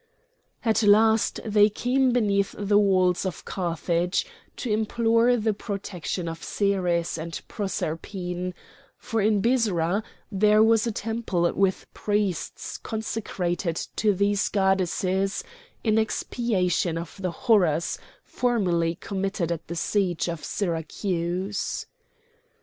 At last they came beneath the walls of Carthage to implore the protection of Ceres and Proserpine, for in Byrsa there was a temple with priests consecrated to these goddesses in expiation of the horrors formerly committed at the siege of Syracuse.